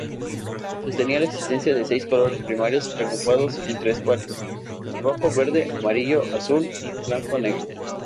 Sostenía la existencia de seis colores primarios agrupados en tres pares: rojo-verde, amarillo-azul, blanco-negro.